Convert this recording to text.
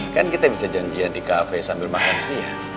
kan kita bisa janjian di kafe sambil makan siang